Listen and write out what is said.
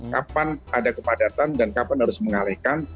kapan ada kepadatan dan kapan harus mengalihkan